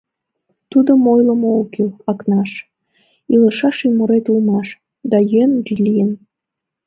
— Тудым ойлымо ок кӱл, Акнаш, илышаш ӱмырет улмаш, да йӧн лийын.